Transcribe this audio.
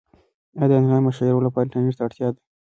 ایا د انلاین مشاعرو لپاره انټرنیټ ته اړتیا ده؟